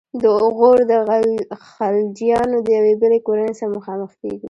د غور د خلجیانو د یوې بلې کورنۍ سره مخامخ کیږو.